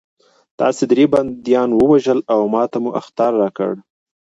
تاسې درې بندیان ووژل او ماته مو اخطار راکړ